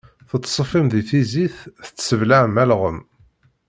Tettṣeffim si tizit, tesseblaɛem alɣem.